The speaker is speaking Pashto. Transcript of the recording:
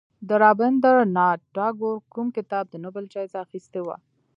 د رابندر ناته ټاګور کوم کتاب د نوبل جایزه اخیستې وه.